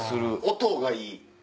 音がいい！